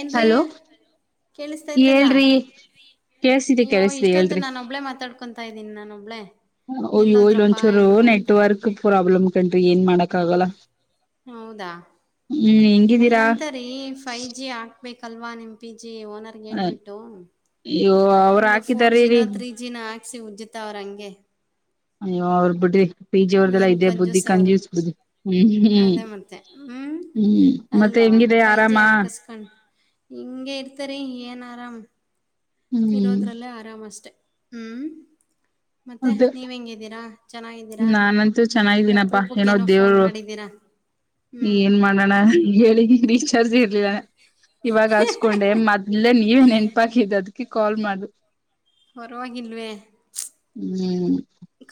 ಏನ್ರೀ ಹಲೋ ಕೇಳಿಸತಾ ಇದ್ದಲ್ಲ ಹೇಳ್ರಿ ಕೇಳ್ಸಿದೆ ನೀವು ಕೇಳಸ್ರಿ ಇಷ್ಟೊತ್ತುು ಹೇಳ್ರಿ ನಾನೊಬ್ಳೇ ಮಾತಾಡ್ಕೊತಾ ಇದ್ದೀನಿ ನಾನೊಬ್ಳೇ [unintelligible] ಒಯ್ಯೋ ಇಲ್ ಎಲ್ಲೋದ್ರಪ್ಪಾ ಒಂಚರು ಇವ್ರು ಅಂತ ನೆಟ್ವರ್ಕ್ ಪ್ರಾಬ್ಲಮ ರಿ ಏನ್ ಮಾಡ ಹೌದಾ ಹ್ಮ್ ಹೆಂಗಿದ್ದೀರಾ ಎಂತರಿೀ ಫೈವ ಜಿ ಆ [unintelligible] ಬೇಕಲ್ವಾ ನೆಂಪಿ ಜಿ ಓನರ್ಗೆ ಹೇಳ್ಬಿಟ್ಟು ಅಯ್ಯೋ ಅವ್್ರ ಹಾಕಿದಾರರಿೀ ಸ ಉಜ್ಜಿತ ಅವ್ರ ಹಂಗೆ ಅಯ್ಯೋ ಅವ್ರ ಬಿಡ್ರಿ ಪಿ ಜಿ ಅವ್ರದೆಲ್ಲ ಏನ್ ಇದೇ ಬುದ್ಧಿ ಕಂಜುಸ ಅವರು ಕಂಜೂಸ್ ಬುದ್ಧಿ ಹ್ಮ್ ಹ್ಮ್ ಅದೇ ಮತ್ತೆ ಹ್ಮ್ ಹ್ಮ್ ಮತ್ತೆ ಅಲ್ವಾ ಹೆಂಗಿದೆ ಫೈವ ಜಿ ಆರಾಮ ಹಾಕಸ್ಕೊಂಡ್ ಹಿಂಗ ಇರ್ತರಿ ಏನ್ ಆರಾಮ್ [unintelligible] ಹ್ಮ್ ಇರೋದ್ರಲ್ಲೇ ಆರಾಮಷ್ಟೆ ಹ್ಮ್ ಅದು ನಾನಂತೂ ಚೆನ್ನಾಗಿದ್ದೀನಪ್ಪಾ ಏನೋ ಅಪರೂಪಕ್ಕೇನೋ ಫೋನ್ ದೇವ್ರು ಮಾಡಿದ್ದೀರಾ ಹ್ಮ್ ಏನ್ ಮಾಡೋಣ ಹೇಳಿ ಟೀಚರ್ಸ್ ಇರ್ಲಿಲ್ಲ ಇವಾಗ ಹಾಸ್ಕೊಂಡೆ ಮದ್ಲೆೇ ನೀವೇ ನೆನ್ಪಾಕಿದ ಅದಕ್ಕೆ ಕಾಲ್ ಮಾಡು ಪರವಾಗಿಲ್ವೇ ಹ್ಮ್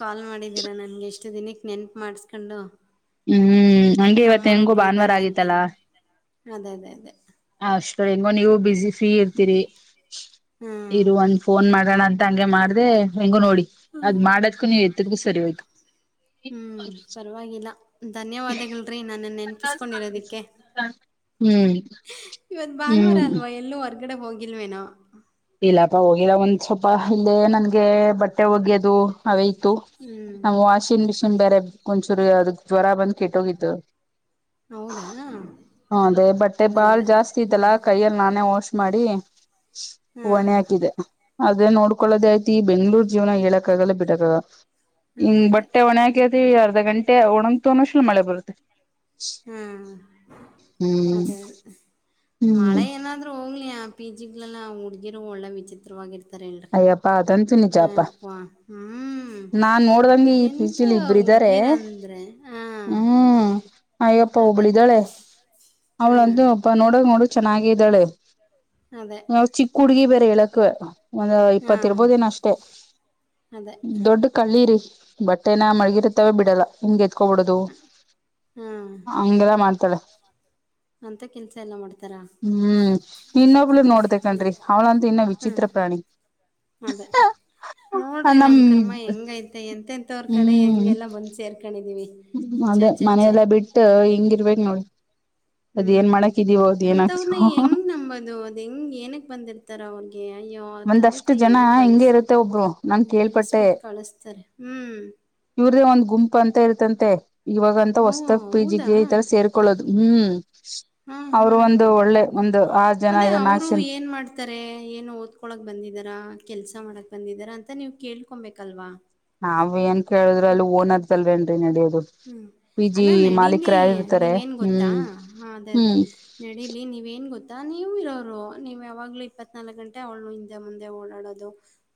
ಕಾಲ್ ಮಾಡಿದ್ದೀರಾ ನನ್ಗೆ ಎಷ್ಟ ಮಚ್ಚ ದಿನಕ್ಕೆ ನೆನಪ ಮಾಡಿಸ್ಕೊಂಡು [unintelligible] ಹ್ಮ್ ಹಂಗೆ ಇವತ್ತು ನಿಂಗಂಗೂ ನಮ್ಮವರೊಬ್ಬರು ಭಾನುವಾರ ಇದ್ದಾರೆ ಅಂತ ಆಗಿತ್ತಲ್ಲಾ ಅದೇ ಅದೇ ಅದೇ ಅಷ್ಟ ಹೆಂಗೋ ನೀವು ಬಿಿಸಿ [unintelligible] ಫೀ ಇರ್ತೀರಿ ಹ್ಮ್ ಇರುವ ಒಂದ ಫೋನ್ ಮಾ [unintelligible] ಣ ಅಂತ ಹಂಗೆ ಮಾಡ್ರೆ ಹೆಂಗು ನೋಡಿ. ಅದ್ ಮಾಡದಕೂ ನೀವ್. ಸರಿಯತು. ಹ್ಮ್ ಪರವಾಗಿಲ್ಲ ಧನ್ಯವಾದಗಳ್ರಿ ನನ್ನ ನೆನಪಿಸ್ಕೊಂಡಿರೋದಿಕ್ಕೆ. ಹ್ಮ್ ಇವತ್ ಹ್ಮ್ ಭಾನುವಾರ ಅಲ್ವಾ ಎಲ್ಲವರ್. ಗಡೆ ಹೋಗಿಿಲ್ಲವನೋ. ಇಲ್ಲಪ್ಪ ಹೋಗಿಲ್ಲ ಒಂದ್ ಸ್ವಲ್ಪ ಇಲ್ಲೇ ನನ್ಗೆ ಬಟ್ಟೆ ಒಗೆ್ಯೋದು ಅವೇ. ಹ್ಮ್ ನ್ ವಾಷಿಂಗ್ ಮಿಷ. ಸು್ ಬೇರೆ ಒಂಚೂರು ಅದ ಜ್ವರ ಬಂದ್ ಕೆಟ್ಟೋಗಿತ್ತುು. ಹೌದಾ ಹದೇ ಬಟ್ಟೆ ಅದೇ ಬಾಳ್ ಅದೇ ಜಾಸ್ತಿ ಹ್ಮ್ ಇದಲ್ಲಾ ಕೈಯಲ್ಲಿ ನಾನೇ ಹೋಷ. ಮಾಡಿ. ಹಾ ಒಣೆ ಹಾಕಿದೆ. ಅದೇ ನೋಡ್ಕೊಳ್ಳದೇ ಆಯ್ತಿ ಈ ಬೆಂಗ್ಳೂರ್ ಜೀವನ ಹೇಳಕ್ಕಾಗಲ್ಲ ಬಿಟ್ಟಕ್ಕಾಗ. ಅದೇ ಹಿಂಗ್ ಅದೇ ಬಟ್ಟೆ ಒಣೆಾಕತಿವಿ ಅರ್ಧ ಗಂಟೆ ಒಣಗ್ತು ಶಲ ಮಳೆ ಬರ್ತ್ತದೆ. ವೈಎಂ. ಹ್ಮ್ ಹ್ಮ್ ಅದೇ ಹ್ಮ್ ಮಳೆ ಏನಾದ್ರೂ ಹೋಗ್ಲಯಾ. ಪಿ ಜಿ ಗಳ ನ ಹುಗಿರು ಒಳ್ಳೆ ವಿಚಿತ್ರವಾಗಿರ್ತ. ಅಯ್ಯಪ್ಪಾ. [unintelligible] ನಿಜಾಪ, ಹ್ಮ್ ನಾನ್ ನೋಡ್ದಂಗೆ ಈ ಎಂತ ಪೀಜಿಲ್ ಇಬ್ರ್ ಇದಾರೆ, ಹುಡ್ಗಿರಂದ್ರೆ ಹಾ ಹ್ಮೂ ಅಯ್ಯಪ್ಪ ಒಬ್ಳ್ ಅದೇ ಇದ್ದಾಳೆ ಹಾ ಅವ್ಳಂತೂ ಅಪ್ಪ ನೋಡಕ್ ನೋಡ್ ಚೆನ್ನಾಗಿದ್ದಾಳೆ. ಅದೇ ನಾ ಚಿಕ್ಕ ಹುಡ್ಗಿ ಬ. ಇಳಕ್ [inaudible] ಒಂದು ಹಾ ಇಪ್ಪತ್ತ ಇರ್ಬೋದೇನ ಅಷ್ಟೇ ಅದೇ ದೊಡ್ಡ ಕಳ್ಳೀರಿ. ಬಟ್. ದಿನ ಮಲ್ಗೀರ್ತೆವ್ ಬಿಡಲ್ಲ ಹಿಂಗ್ ಎತ್ಕೊಂಡವೊಡೋದು ಹಾ ಹಂಗೆಲ್ಲ ಮಾಡ್ತಾಳೆ. ಅಂತ ಕೆಲಸ ಎಲ್ಲ ಮಾಡ್ತಾರ ಹೂ ಇನ್ನೊಬ್ಳು ನೋಡದೆ ಕಣ್ರಿ ಅವ್ಳಂತ ಇನ್ನ ವಿಚಿತ್ರ ಹ್ಮ್ ಪ್ರಾಣಿ. ಅದೇ ನೋಡ್ರಿ ನಮ್ ಕರ್ಮ ಹೆಂಗೈತೆ ಎಂತ. ಮತ್ತವರ ಕಡೆ ಹ್ಮ್ ಹೆಂಗೆಲ್ಲ ಬಂದ್ ಸೇರ್ಕೊಂಡಿದೀವಿ. ಅದೇ ಮನೆಯಲ್ಲ ಬಿಟ್ಟು ಹಿಂಗಿರ್ಬೇಕ ನೋಡ. ಹು ಅಂತವ್ರನ್ನ ಹೆಂಗ್ ನಂಬೊದು ಅದ್ ಹೆಂಗ್ ಏನಕ್ ಬಂದಿರ್ತಾರ ಅವರ. ಏ ಅಯ್ಯೋ ತಂದೆ ಒಂದಷ್ಟು ತಾಯಿ ಜನ ಹೆಂಗ್ ಬಳಸ ಹಿಂಗೆ ಇರುತ್ತೆ ಒಬ್ರು ನಾನ್ ಕೇಳ್ಪಟ್ಟೆ ಬೆಳೆಸ್ಬಿಟ್ಟು ಕಳಸ್ತಾರೆ ಹು. ಗುಂಪು ಅಂತ ಇಳತಂತೆ. ಇವಾಗ ಅಂತ ಓ ಹೊಸ್ತದ ಹೌದಾ ಪೀಜಿಗೆ ಈ ತರ ಸೇರ್ಕೊಳ್ಳೋದು. ಹು ಹಾ ಹಾ ಅವರು ಒಂದು ಒಳ್ಳೆ ಒಂದು ಆರ ಜನ ಅದೇ ಇದೆ ನಕ್ಸಿನ್ ತಕ್ಕೊಳಕ್ ಬಂದಿದಾರಾ ಕೆಲ್ಸ ಮಾಡಕ್ ಬಂದಿದರಾ ಅಂತ ನೀವು ಕೇಳ್ಕೊಬೇಕಲ್ವಾ. ನಾವೇಂತ ಕೇಳುದ್ರ ಅಲ್ಲಿ ಓನರರ್ದಲ್ವೇನ್ರಿ ನಡಿಯೋದು ಹ್ಮ್. ಪಿಜಿ ಅಲ್ಲ ನಡೀಲಿ ಮಾಲೀಕರ ಯಾವ ಇರ್ತಾರೆ ನೀವೇನ್ ಹು ಗೊತ್ತಾ ಹಾ ಹೂ. ತಾ ನೀವ ಇರೋರು ನೀವ್ ಯಾವಾಗ್ಲೂ ಇಪ್ಪತ್ನಾಲ್ಕಕ್ ಗಂಟೆ ಅವಳು ಹಿಂದೆ ಮುಂದೆ ಓಡಾಡೋದು.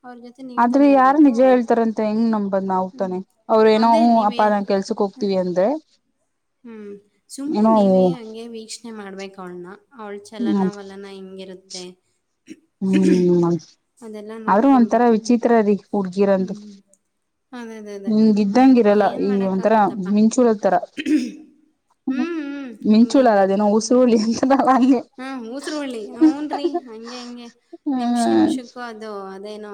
ಅವ್ರ ಜೊತೆ ನೀವು ಆದ್ರೆ ತಾನೇ ಯಾರ ಇರಬೇಕು ನಿಜ ಹೇಳ್ತಾರಂತ ಹೆಂಗ್ ನಂಬದ್ ನಾವ್ ತಾನೆ ಅವ್ರ ಏನೋ ಅದೇ ಹೂ ಅಪ್ಪ ಕೆಲ್ಸಕ್ ಹೋಗ್ತೀವಿ ಅಂದ್ರೆ ಹು ಸುಮ್ನೆ ಏನೋ ನೀವೇ ಹಂಗೆ ವೀಕ್ಷಣೆ ಮಾಡ್ಬೇಕ ಅವ್ಳನ ಅವ್ಳ ಚಲನ ವಲನ ಹಿಂಗಿರುತ್ತ ದ [unintelligible] ಹೂ ಆದ್ರು ಒಂತರ ನೋಡ್ಕೊಬೇಕು ವಿಚಿತ್ರದ ಕೂಡ. ಹುಡುಗಿಅಂತೂ ಹ್ಮ್ ಅದೇ ಅದೇ ಅದೇ ಹಿಂಗಿದಂಗ ಹ್ಮ್ ಈರಲ್ಲ ಏನ್ ಒಂಥರ ಮಾಡಕ್ಕಾಗುತ್ತಪ್ಪ ಮಿಂಚುಳತರ ಹ್ಮ್ ಹ್ಮ್ ಹಂಗೆ ಮಿಂಚುಳ ಅದ ಹಂಗೆ ಅದೇನೋ ಉಸರುಳ್ಳಿ [unintelligible] ಹಾ ಊಸರಒಳ್ಳಿ ಹೂನ್ರರಿ ಹಂಗೆ ಹಂಗೆ ನಿಮಿಷ ಹ್ಮ್ ನಿಮಿಷಕ್ಕೂ ಅದು ಅದ ಏನೋ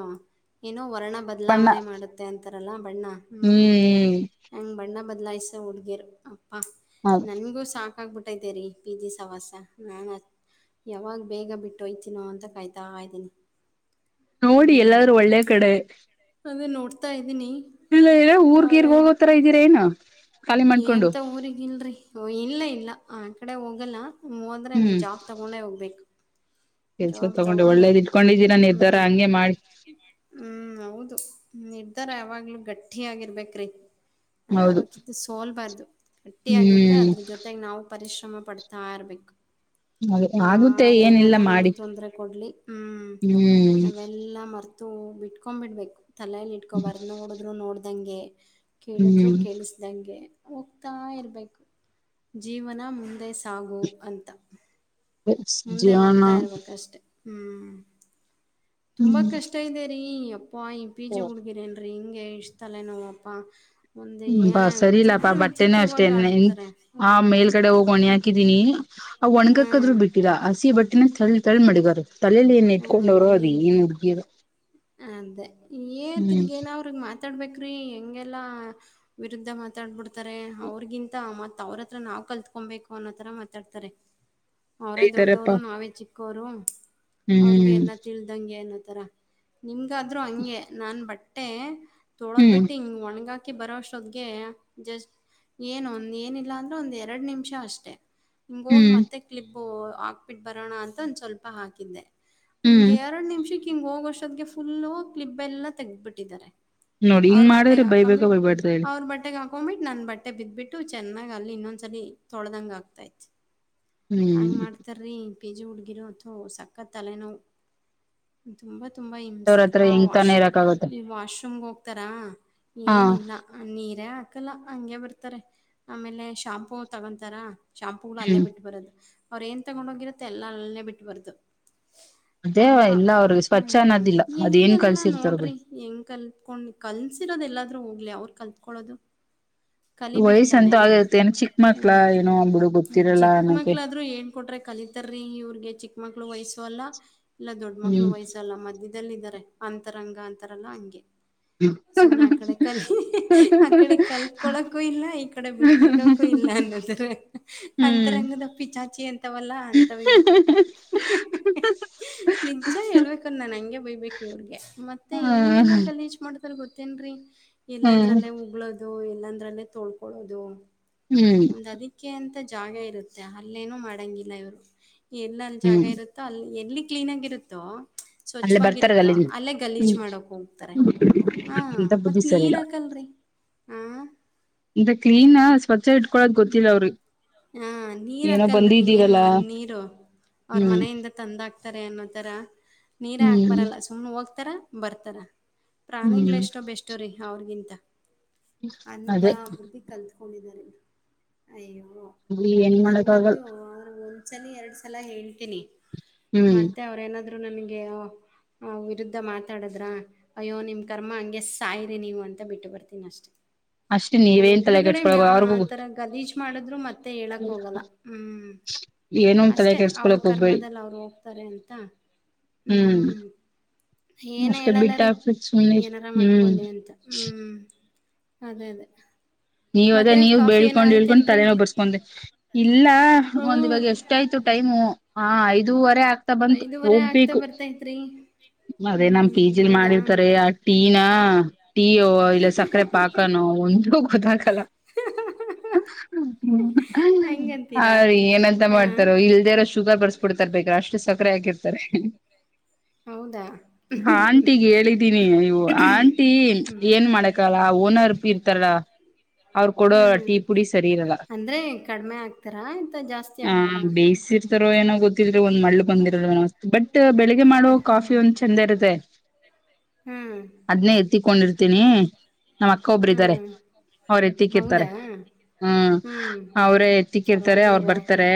ಏನೋ. ವರ್ಣ ಬಣ್ಣ ಬದಲಾವಣೆ ಮಾಡುತ್ತೆ ಅಂತ. ಬರಲ್ಲ. ಬಣ್ಣ ಹೂ ಹ್ಮ್ ನಂಗ್ ಬಣ್ಣ. ಬದಲಾಯಿಸೋ ಹುಡ್ಗೀರ್. ಪ್ಪಾ ಹೌದು ನನ್ಗೂ ಸಾಕ. ಸಾಕಾಗ್ಬಿಟ್ಟೈತೆ ರಿ ಪಿ. ಜಿ ಸಾವಾಸ ನಾನು ಯಾವಾಗ್ ಬೇಗ ಬಿಟ್ಟೊಯ್ತೀನೋ ಅಂತ ಕಾಯ್ತಾ ಇದ್ದೀನಿ. ನೋಡಿ ಎಲ್ಲಾದ್ರು ಒಳ್ಳೆ ಕಡೆ ಅದೆ ನೋಡ್ತಾ ಇದ್ ಇಲ್ಲ ಏ ಊರ್ಗೀರ್ಗ್ ಹೋಗೋತರ ಇದ್ದೀರೇನು? ಏಂತ ಊರಿಗಿಲ್ರಿ. ಇಲ್ಲ ಇಲ್ಲ ಆ ಕಡೆ ಹೋಗಲ್ಲ. ಹೋದ್ರೆ ನನ್ ಹ್ಮ್ ಜಾಬ್ ತಗೊಂಡೆ ಹೋಗ್ಬೇಕು ಕೆಲ್ಸ ಜಾಬ್ ತಗೊಂಡು ಒಳ್ಳೇದ್ ಇಟ್ಕೊಂಡಿದ್ದೀರಾ ನಿರ್ಧಾರ ಹ್ಮ್ ಹಂಗೆ ಮಾಡಿ ಹ್ಮ್ ಹೌದು. ನಿರ್ಧಾರ ಯಾವಾಗ್ಲೂ ಗಟ್ಟಿ ಆಗಿರ್ಬೇಕ್ರಿ ನಾವ್ ಹೌದು ಯಾವತ್ತಿದ್ರು ಸೋಲ್ಬಾರ್ದು ಗಟ್ಟಿಯಾಗಿದ್ರೆ ಹ್ಮ್ ಅದ್ರ್ ಜೊತೆಗ್ ನಾವು ಪರಿಶ್ ಶ್ರಮ ಪಡ್ತಾಯಿರ್ಬೇಕು. ಅದೆ ಆಗುತ್ತೆ ಏನಿಲ್ಲ ಮಾಡಿ ನಮಗ್ ತೊಂದ್ರೆ ಕೊಡ್ಲಿ ಹ್ಮ್ ಹ್ಮ್ ಅವೆಲ್ಲ ಮರ್ತ್ ತು ಬಿಟ್ಕೊಂಬಿಡ್ಬೇಕು ತಲೆಲ್ ಇಟ್ಕೊಬಾರ್ದ್ ನೋಡುದ್ರು ನೋಡ್ ಅದಂಗೆ ಕೇಳಿದ್ರು ಹ್ಮ್ ಕೇಳಿಸ್ದಂಗೆ ಹೋಗ್ತಾ ಇರ್ಬೇಕು ಜೀವನ ಮುಂದೆ ಸಾಗು ಅಂತ. ಸ ಮುಂದೆ ಜಿಯಾನ ಹೋಗ್ತಾ ಇರ್ಬೇಕಷ್ಟೆ ಹ್ಮ್ ತುಂಬಾ ಕಷ್ಟ ಇದೆರೀ ಯಪ್ ಪಾ ಈ ಪಿಜಿ ಹ್ಮ್ ಹುಡ್ಗೀರ್ ಏನ್ರಿ ಹಿಂಗ್ ಎಷ್ಟ್ ತಲೆ ನೋವಪ್ಪ ಹ್ ಮ್ ಬಾ ಸರಿ ಇಲ್ಲಪ್ಪಾ ಬಟ್ಟೆನೂ ಅಷ್ಟೇನ್ ಆಡ್ತಾರೆ ಆ ಹ್ಞೂ ಮೇಲ್ ಕಡೆ ಹೋಗ ಹೊಣಿ ಹಾಕಿದೀನಿ ಅವ್ ಹಾಂ ಒಣ್ಗಕ್ಕಾದ್ರು ಬಿಟ್ಟಿಲ್ಲ ಹಸಿ ಬಟ್ಟಿನ ತಳ್ ತಳ್ ಮಡ್ಗಾರು ತಲೆಲ್ ಏನ್ ಹಾಂ ಇಟ್ಕೊಂಡವ್ರೋ ಅದ್ ನೀ ಏನ್ ಹುಡ್ಗೀರೋ ಅದೇ ಏ ತಿರ್ಗೇನ ಅವ್ರಗ್ ಮಾತಾಡ್ಬೇಕ ತ್ರಿ ಹೆಂಗೆಲ್ಲಾ ವಿರುದ್ಧ ಮಾತಾಡ್ಬಿಡ್ತಾರೆ ಅವ್ರಗಿಂತ ಮತ್ ಅವ್ರತ್ರ ನಾವ್ ಕಲ್ತ್ಕೊಂಬೇಕು ಅನ್ನೋತರ ಮಾತಾಡ್ತಾರೆ ಅವ್ರೇ ಬೈತಾರಪ್ಪಾ ದೊಡ್ಡವ್ರು ನಾವೇ ಚಿಕ್ ಕೋರುಮ್ ಅವ್ರಿಗೆ ಹ್ಮ್ ಎಲ್ಲ ತಿಳಿದಂಗೇನ್ ಥರ ನಿಮ್ದ್ ಈಗಾದ್ರೂ ಹಂಗೆ ನಾನ್ ಬಟ್ ಎ ತೊಳದ್ ಹ್ಮ್ ಬಿಟ್ಟಿಂಗ ಒಣಗಾಕ್ ಆಕಿ ಬರೋಷ್ಟೊತ್ತಿಗೆ ಜಸ್ಟ್ ಏನು ಒಂದ ಏನಿಲ್ಲ ಅಂದ್ರು ಒಂದ್ ಎರಡ್ ನಿಮಿಷ ಅಷ್ಟೆ ಹಂಗ ಹೋಗ್ ಹ್ಮ್ ಮತ್ತೆ ಕ್ಲಿಪ್ ಹೊ ಹಾಕ್ಬಿಟ್ಟು ಬರಣ ಅಂತ ಒಂದ ಸ್ವಲ್ಪ ಹಾಕಿದ್ದೆ ಹ್ಮ್ ಹಿಂಗೆರಡ್ ನಿಮಿಷಕ್ ಹಿಂಗ್ ಹೋಗಷ್ಟ್ ತ್ತಿಗೆ ಫುಲ್ಲು ಕ್ಲಿಪ್ ಎಲ್ಲ ತೆಗ್ದಿಬಿಟ್ಟಿದ್ದಾರೆ ನೋಡಿ ಅವ್ರ ಹಿಂಗ್ ಬಟ್ಟೆೆಗೆ ಮಾಡಿದ್ರೆ ಬೈಬೇಕ ಹಾಕೊ್ಂಬಿಟ್ಟು ಬೈಬಾರ್ದ ಹೇಳಿ ಅವ್ರ ಬಟ್ಟೆೆಗೆ ಹಾಕೊಂಬಿಟ್ ನನ್ ಬಟ್ಟೆ ಬಿದ್ದ್ಬಿಟ್ಟು ಚೆನ್ನಾಗ್ ಅಲ್ ಇನ್ನೊಂದ್ ಸರಿ ತೊಳ್ದಂಗ ಆಗ್ತಾೈತ್ ಹ್ಮ್ ಹಂಗ್ ಮಾಡ್ತಾರ್ರಿ ಪಿಜಿ ಹುಡ್ಗಿರು ಅಥವಾ ಸಕ್ಕತ್ ತಲೆನೋವು ತುಂಬ ತುಂಬ ಅವ್ರ ಹಿಂಸೆ ಹತ್ರ ಆ ಹೆಂಗ್ ವಾಶ್ ತಾನೇ ಇರಕ್ ಆಗತ್ತೆ ಈ ವಾಶ್ರೂಮ್ಗೆ ಹೋಗ್ತಾರಾ ಹಾ ಏನಿಲ್ಲ ನೀರೇ ಹಾಕಲ್ಲ ಹಂಗೆ ಬರ್ತಾರೆ ಆಮೇಲೆ ಶಾಂಪೂ ತಗೊಂತಾರಾ ಶಾಂಪೂಗಳು ಅಲ್ಲೇ ಹ್ಮ್ ಬಿಟ್ಟುಬರದು ಅವ್್ರ ಏನ್ ತಗೊಂಡ ಹೋಗಿರತ್ತೆ ಎಲ್ಲ ಅಲ್ಲೇ ಬಿಟ್ಬಾರ್ದು ಅದೇವ ಇಲ್ಲ ಅವ್ರಿಗೆ ಸ್ವಚ್ ಹ್ಮ್ ಹೆಂಗೆ ಎಲ್ಲ ನೋಡ್ರಿ ಹೆಂಗ್ ಕಲ್ತ್ಕೊಂಡು ಕಲ್ಸಿರೋದ ಎಲ್ಲಾದ್ೂ ಹೋಗಿ ಅವ್ರು ಕಲ್ತ್ಕೊಳ್ಳೋದು ವಯಸ್ಸ ಕಲಿಬೇಕ್ತಾನೆ ಅಂತ ಆಗಿರುತ್ತೆ ಏನ ಚಿಕ್ಕ ಮಕ್ಳ ಹ್ಮ್ ಏನೋ ಬಿಡು ಗೊತ್ತಿರಲ್ಲ ಚಿಕ್ಕ ಅನ್ನೋಕೆ ಮಕ್ಳಾದ್ೂ ಏನ್ ಕೊಟ್ರೆ ಕಲಿತಾರ್ರೀ ಇವ್ರಿಗೆ ಚಿಕ್ಕ ಮಕ್ಳು ವಯಸ್ಸ ತೊಲ ಇಲ್ಲ ದೊಡ್ ಮಕ್ಲು ಹ್ಮ್ ವಯಸ ಲ್ಲ ಮಧ್ಯದದಲ್ಲಿ ಇದಾರೆ ಅಂತರಂಗ ಅಂತಾರಲ್ಲ ಹಂಗೆ ಸುಮ್ಮ ಆ ಕಡೆ ಕಲಿ ಹ್ಮ್ ಆ ಕಡೆ ಕಲ್ತ್ಕೊಳಕೂ ಇಲ್ಲ ಈ ಕಡೆ ಬಿಟ್ ಬಿಡಕೂ ಇಲ್ಲ ಹ್ಮ್ ಅನ್ನಂದ್ರ ಅಂತರಂಗದ ಪಿ ಚಾಚಿ ಅಂತ ಲ್ಲ ಅಂತವವು ನಿಜ ಹೇಳ್ಬೇಕ ಹಂಗೆ ಬಯ್ಬೇಕು ಇವ್ರಿಗೆ ಮತ್ತೆ ಹೆಂಗೆಲ್ಲ ಗಲೀಜ್ ಮಾಡ ಗೊತ್ತೇನ್ರೀ ಇಲ್ಲಾಂದ್ರ ಹ್ಮ್ ಅಲ್ಲೇ ಉಗ್ಳೋದು ದೂ ಎಲ್ಲಂದ್ರಲ್ಲೇ ತೊಳ್ಕೊಳ್ಳೋದು ಹ್ಮ್ ಒಂದ್ ಅದಕ್ಕೆ ಅಂತ್ ಜಾಗ ಇರುತ್ತೆ ಅಲ್ಲೇನು ಮಾಡಂಗಿಲ್ಲ ಇವ್ರು ಎಲ್ ಅಲ್ ಜಾಗ ಹ್ಮ್ ಇರುತ್ತೋ ಅಲ್ ಎಲ್ಲಿ ಕ್ಲೀನ್ ಆಗಿರುತ್ತೋ ಅಲ್ಲೇ ಬರ್ತಾರ ಸ್ವಚ್ವಾಗಿರುತ್ತೋ ಅಲ್ಲಿಂದ ಅಲ್ಲೇ ಗಲೀಜ್ ಹ್ಮ್ ಮಾಡಕ್ಕೊಗ್ತರೆ ಹಾ ಇಂತ ಮತ್ತ್ ಬುದ್ಧಿ ಸರಿಲ್ಲ ನೀರಾಕಲ್ರಿ ಆ ಇಂತ ಕ್ಲೀನ್ ಸ್ವಚ್ಛ ಇಟ್ಕೊಳದ್ ಗೊತ್ತಿಲ್ಲ ಅವ್ರಿ ಹಾ ನೀರ್ ಹಾಕಲ್ರಿ ಏನೋ ನೀರು ಅವ್ರ ಹ್ಮ್ ಮನೆಯಿಂದ ತಂದ ಆಕ್ತಾರೆ ಅನ್ನೋತರ ನೀರೇ ಹ್ಮ್ ಹಾಕ್ಬರಲ್ಲ ಸುಮ್ನ್ ಹೋಗ್ ತರ ಬರ್ತಾರ. ಪ್ರಾಣಿಗ್ಳೆ ಹ್ಮ್ ಎಷ್ಟೊ ಬೆಸ್ಟು ರೀ ಅವ್ರ್ಗಿಂತ. ಅದೇ ಕೊಂಡಿದ್ದಾರೆ ಅಯ್ಯೋ ಏನ್ ಮಾಡಕ್ ನನ್ಗಂತೂ ಆಗಲ್ಲ ಅವ್ರ ಒಂದ್ಸಲಿ ಎರಡ್ ಸಲ ಹೇಳ್ತೀನಿ ಹ್ಮ್ ಮತ್ತೆ ಅವ್ರೇನಾದ್ರ್ ರೂ ನನಿಗೆ ಆ ವಿರುದ್ಧ ಮಾತಾಡಿದ್ರೆ ಅಯ್ಯೋ ನಿಮ್ ಕರ್ಮ ಹಂಗೆ ಸಾಯ್ರಿ ನೀವು ಅಂತ ಬಿಟ್ಟು ಬರ್ತೀನಿ ಅಷ್ಟೇ. ಅಷ್ಟೇ ನನ್ ನೀವೇನ್ ತಲೆ ಎದ್ರುಗಡೆ ಮ ಕೆಡ್ಸ್ಕೊಳಕ್ ಅವ್ರಿಗೂ ಆತರ ಗಲೀಜ್ ಮಾಡಿದ್ರು ಮತ್ ಹೇಳಕ್ ಹೋಗಲ್ಲ ಹ್ಮ್ ಏನೋ ತಲೆ ಅಷ್ಟೆ ಅವ್ರ ಕೆಡ್ಸ್ಕೊಳಕ್ ಹೋಗ್ಬೇಡಿ ಕರ್ಮದಲ್ಲಿ ಅವ್ರು ಹೋಗ್ತಾರೆ ಅಂತ ಹ್ಮ್ ಹ್ಮ ಏನ ಅಷ್ಟೇ ಹೇಳಲ್ಲ ಬಿಟ್ಟ ರೀ ಹಾಕ್ಬೇಕ್ ಸುಮ್ನಿರಿ ಏನಾರ ಹ್ಮ್ ಮಾಡ್ಕೊಳ್ಳಿ ಅಂತ ಹ್ಮ್. ಅದೇ ಅದೇ ನೀವ್ ಅದೇ ಮತ್ತೆ ನೀವು ಕಾಫಿ ಏನ ಬೇಳ್ಕೊಂಡ ಹ ಇಳ್ಕೊಂಡು ಆಯ್ತೇನ್ರಿ ತಲೆನೋವ್ ಬರ್ಸ್ಕೊ ಇಲ್ಲ ಹಾ ಒಂದ್ ಇವಾಗ ಎಷ್ಟಾಯ್ತು ಟೈಮು? ಹಾ ಐದುವರೆ ಆ ಗ್ತಾ ಬಂತು ಐದುವರೆ ಆಗ್ತಾ ಹೋಗ್ಬೇಕು ಬರ್ತೈತ್ರಿ ಅದೆ ನಮ್ ಹ್ಮ್ ಪಿ ಜಿ ಲ್ ಹೌದಾ ಮಾಡಿರ್ತಾರೆ ಆ ಟೀ ನ ಹಾ ಟೀಯೋ ಇಲ್ಲ ಸಕ್ಕರೆ ಪಾಕನೋ ಒಂದು ಗೊತ್ತಾಗ್ ಕಲ ಅ ಹೆಂಗಂತೀರಾ ರೀ ಏನಂತ ಹಾ ಮಾಡ್ತಾರೋ ಇಲ್ದೆರೊ ಶುಗರ್ ಬರ್ಸ್ಬಿಡ್ತಾರ ಬೇಕ್ರ ಅಷ್ಟು ಸಕ್ಕರೆ ಹಾಕಿರ್ತಾರೆ ಹ್ ಹೌದಾ ಆಂಟಿಗ್ ಹೇಳಿದ್ದೀನಿ ಅಯ್ಯೋ ಅ ಆಂಟಿ ಏನ್ ಮಾಡಕಲ್ಲ ಓನರ್ ಇರ್ತಾರಲ ಹ್ಮ್ ಅಂದ್ರೆ ಕಡಿಮೆ ಆಗ್ತಾರಾ ಎಂತ ಜಾಸ್ತಿ ಹಾಗ್ತಾರ? ತರೋ ಏನೋ ಗೊತ್ತಿಲ್ ಒಂದ್ ಮಳ್ಳ ಬಂದಿರ [unintelligible] ಬಟ್ ಬೆಳಗ್ಗೆ ಮಾಡೋವ ಕಾಫಿ ಒಂದ್ ಚಂದ ಇರುತ್ ತ್ತೆ ಹ್ಮ್ ಅದ್ನ್ಲೇ ಎತ್ತಿಕೊಂಡಿರ್ತೀನಿ ನಮ್ಮ ಅಕ್ಕ ಒಬ್ರ ಇದಾರೆ... ಹ್ಮ್ ಎತ್ತಿಕ್ಕಿರ್ತಾರೆ ಹೌದಾ ಹ್ಮ್ ಅವರೇ ಎತ್ತಿಕ್ಕಿರ್ತಾರೆ ಅವ್ರು ಪರವಾಗಿಲ್ವೇ ಬರ್ತಾರೆ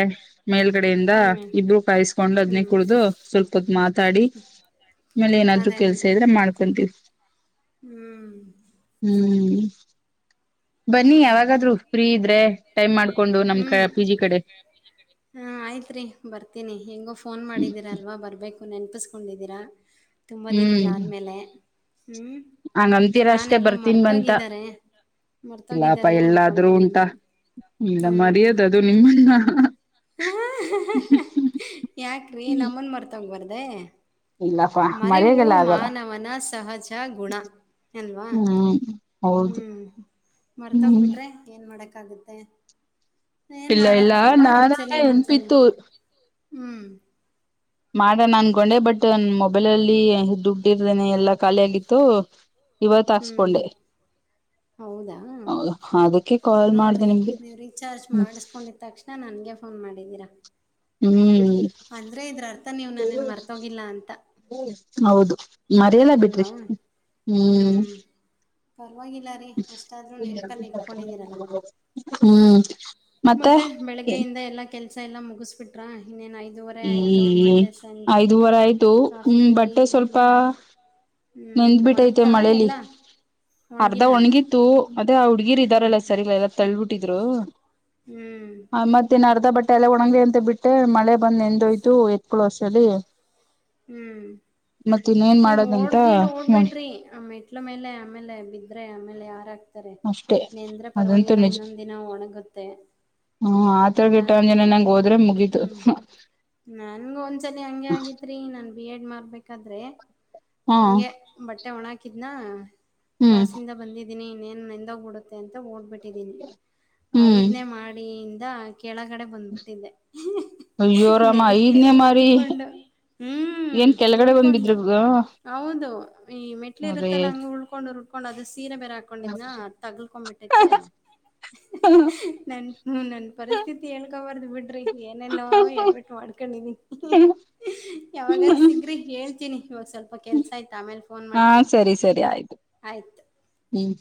ಮೇಲ್ಗಡೆಯಿಂದ ಹ್ಮ್ ಇಬರು ಕಾಯಿಸಕೊಂಡು ಅದನ ಹ್ಮ್ ಕುಡಿದು ಸ್ವಲ್ಪ. ಮ. [inaudible] ಮಾತಾಡಿ ಆಮೇಲೆ ಏನಾದ್ರು ಅದೇ ಅದೇ ಕೆಲ್ಸ ಇದ್ರೆ ಮಾಡ್ಕೊಂತೀವಿ. ಹ್ಮ್. ಹ್ಮ್. [unintelligible] ಬನ್ನಿ ಯಾವಾಗಾದ್ರು ಫ್ರೀ ಇದ್ರೆ ಟೈಮ್ ಮಾಡ್ಕೊಂಡು ನಮ್ ಹ್ಮ್ ಪಿ ಜಿ ಕಡೆ ಹಾ ಆಯ್ತ್ರಿ ಬರ್ತೀನಿ ಹೆಂಗೋ ಫೋನ್ ಮಾಡಿದ್ದೀರಾ ಹ್ಮ. ಅಲ್ವಾ ಬರ್ಬೇಕು ನೆನಪಿಸ್ಕೊಂಡಿದ್ದೀರಾ ತುಂಬಾ ದಿನಗಳ ಹ್ಮ್ ಆದ್ಮೇಲೆ. ಹ್ಮ್ ಹಂಗಂತೀರ ನಾನ ಅಷ್ಟೇ ಎಲ್ಲೋ ಬರ್ತೀನ್ ಬಂತ ಮರ್ತೋಗಿದಿದ್ದಾರೆ. ಇಲ್ಲಾಪ ಮರ್ತೋಗಿದ್ದಾರೆ ಅನ್ಕೊಂಡೆ ಎಲ್ಲಾದ್ರೂ ನಾನು ಉಂಟಾ ಇಲ್ಲ ಹ್ಮ್ ಮರ್ಯದ ಅದು ನಿಮ್ಮನ್ನ ಯಾಕ್ರೀ ನಮ್ಮನ್ ಮರ್ತ. ಬರದೇ. [unintelligible] ಇಲ್ಲಪ್ಪಾ ಮರ್ಯಾಗೆಲ್ಲ ಆಗಲ್ಲ ಮರೆವೂಮಾನವನ ಸಹಜ ಗುಣ ಅಲ್ವಾ. ಹ್ಮ್ ಹೌದು ಹ್ಮ್ ಹ್ಮ್ ಮರ್ತೋಗ್ಬಿಟ್ರೆ ಏನ್. ಮಾಡಕ್ಕಾಗುತ್ತೆ. ಇಲ್ಲ ಇಲ್ಲಾ ನಾನಲ್ಲ ನೆನ್ಪಿತು. ಹ್ಮ್. ಮಾಡಣ ಅನ್ಕೊಂಡೆ ಬಟ್ ನ ಮೊಬೈಲ ಅಲ್ಲಿ ದುಡ್. ಬಿಟ್ಟರ್ದನೆ ಎಲ್ಲಾ ಖಾಲಿ ಆಗಿತ್ತು. [unintelligible] ಹ್ಮ್ ಹಾಕ್ಸ್ಕೊಂಡೆ ಹೌದಾ ಅದಕ್ಕೆ ಕಾಲ್ ಮಾಡ್ದೆ ನೋಡ್ರಿ ನಿಮ್ಗೆ ನೀವರೀಚಾರ್ಜ್ ಮಾಡಿಸ್ಕೊಂಡಿದ ತಕ್ಷಣ ನನ್ಗೆ. ಫೋನ್ ಮಾಡಿದ್ದೀರಾ. [unintelligible] ಹ್ಮ್ ಅಂದ್ರೆ ಇದ್ರಲ್ಲ. [unintelligible] ನೀವು ನನನ್ ಮರ್ತೋಗಿಲ್ಲ ಅಂತ. ಹೌದು. ಮರೆಲ್ಲ ಬಿಡ್ರಿ ಅಲ್ವಾ? ಹ್ಮ್. ಪರವಾಗಿಲ್ಲ ರೀ ಅಷ್ಟಾದ್ರೂ ನೆನಪಲ್ಲಿ ಇಟ್ಕೊಂಡಿದ್ದೀರಲ್ಲ. ಹ್ಮ್ ಮತ್ತೆ ಬೆಳಗ್ಗೆಯಿಂದ ಎಲ್ಲಾ ಕೆಲ್ಸ ಎಲ್ಲಾ ಮುಗಿಸಬಿಟ್ರ ಇನ್ನೇನಾಯ್ತು. ಹ್ಮ್ ಐದುವರ ಆಯ್ತು ಕಾಫಿ ಹ್ಮ್ ಕುಡಿ ಬಟ್ಟೆ ಸ್ವಲ್ಪ ಹ್ಮ್ ನೆಂದ್ಬಿಟ್ಟೈತೆ ಒಣಗ್ತಾ ಮಳೇಲಿ ಎಲ್ಲ? ಅರ್ಧ ಒಣಗಿಲ್ಲ ಒಣ್ಗಿತ್ತು ಅದೇ ಆ ಹುಡ್ಗಿರ್ ಹ್ಮ್ ಇದ್ದಾರಲ್ಲ ಸರಿಲ್ಲ ತಳ್ಬಿಟ್ಟ. ಇದರು. ಹ್ಮ್ [inaudible] ಆ ಮತ್ತೆ ನ ಅರ್ಧಪಟ್ಟ. [unintelligible] ತಲೆ ಒಣಗ್ಲಿ ಅಂತ ಬಿಟ್ಟೆ ಮಳೆ ಬಂದ್ ನೆಂದೋಯ್ತು ಎತ್ಕೊಳ್ಳೋ ಅಷ್ಟ್ರಲ್ಲಿ ಮತ್ತಿನ್ನೇನ್ ಮಾಡೋದನ್ ಏನು ಓಡ್ಬೇಡ್ರಿ ಆ ಮೆಟ್ಲು ಮೇಲೆ ಆಮೇಲೆ ಬಿದ್ರೆ ಆಮೇಲೆ ಯಾರ್ ತರೆ, ಅಷ್ಟೇ ನೆಂದ್ರೆ ಅದಂತೂ ಪರ್ವಾಗಿಲ್ಲ ನಿಜ ಇನ್ನೊಂದ್ ದಿನ ಒಣಗುತ್ತೆ, ಹ್ಮ ಆತರಗೆಟ್ಟ ಅಂಜನ ನಿಧಾನಕ್ಕೆ, ನಂಗ ಹೋದ್ರೆ ಮುಗೀತು ಹ್ಮ್ ನನ್ಗ್ ಒಂದ್ಸಲಿ ಹಂಗೆ ಆಗಿತ್ ರೀ ನಾನ್ ಬಿಎಡ್ ಮಾಡ್ಬೇಕಾದ್ರೆ, ಹಾ ಹಂಗೆ ಬಟ್ಟೆ ಒಣಗ್ ಕಿದ್ನಾ ಹ್ಮ್ ಕ್ಲಾಸಿಂದ ಬಂದಿದ್ ದಿನಿ ಇನ್ನೇನ್ ನೆಂದೋಗ್ ಬಿಡುತ್ತೆ ಅಂತ ಓಡ್ಬಿಟ್ ಟಿದೀನಿ ಹ್ಮ್ ಐದ್ನೇ ಮಾಹ್ಡಿಇಂ ದಾ ಕೆಳಗಡೆ ಬಂದ್ಬಿಟ್ಟಿದ್ದೆ [unintelligible] ಅಯ್ಯೋರಾಮ ನೆಲಕ್ಕೆ ಐದನೇ ಮಾರಿ ಉರುಳ್ಕೊಂಡು ಏನ್ ಹ್ಮೂ ಕೆಳಗಡೆ ಬಂದ್ ಉರ್ಳ್ಕೊಂಡ, ಬಿದ್ರು ಹೌದು ಈ ಅರೇ ಮೆಟ್ಲಿರುತ್ತಲ್ಲ ಹಂಗ ಉರ್ಳ್ಕೊಂಡ್ ಉರ್ಳ್ಕೊಂಡ್ ಅದ [unintelligible] ತೀರೆ ಬೇರೆ ಹಾಕೊಂಡಿದ್ನ ತಗಳ್ಕೊಂಬುಟೈತೆ, [unintelligible] ನನ್ ಹ್ಮು ನನ್ ಪರಿಸ್ಥಿತಿ ಹೇಳ್ಕಬಾರ್ದು ಬಿಡ್ರಿ ಏನೆಲ್ಲೋ ಎಡ್ವಟ್ ಮಾಡ್ಕೊಂಡಿದೀನಿ [unintelligible] ಯಾವಾಗಾರು ಸಿಗ್ರಿ ಏಳ್ತೀನಿ ಇವಾಗ್ ಸ್ವಲ್ಪ ಕೆಲ್ಸ ಐತ್ ಆಮೇಲ್ ಹಾ ಸರಿ ಸರಿ ಆಯ್ತು, ಹ್ಮ್.